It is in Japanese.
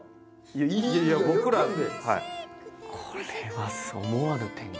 これは思わぬ展開。